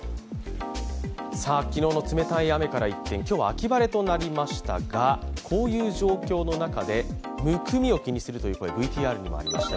昨日の冷たい雨から一転、今日は秋晴れとなりましたが、こういう状況の中で、むくみを気にするという声、ＶＴＲにもありました。